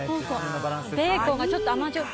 ベーコンがちょっと甘じょっ